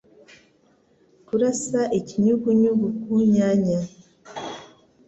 Kurasa ikinyugunyugu ku nyanya,